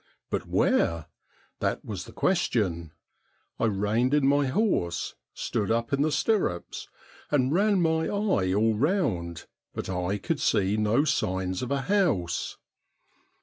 But where ? That was the question. I reined in my horse, stood up in the stirrups, and ran my eye all round, but I could see JOHN MACDOUGAL'S DOUBLE 81 no signs of a house.